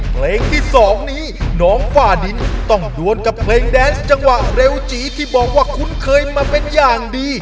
เพลงที่๒นี้น้องฝ้าดินต้องดวนกับเพลงแดนซ์จังหวะเร็วจีที่บอกว่าคุ้นเคยมาเป็นอย่างดี